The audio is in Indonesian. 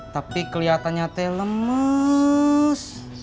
tapi keliatannya teh lemes